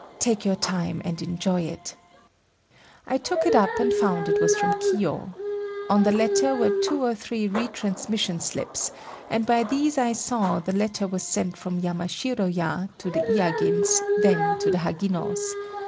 Take your time and enjoy it." I took it up and found it was from Kiyo. On the letter were two or three retransmission slips, and by these I saw the letter was sent from Yamashiro ya to the Ikagins, then to the Haginos.